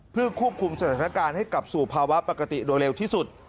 เพื่อควบคุมสถานการณ์ให้กลับสู่ภาวะปกติโดยเร็วที่สุด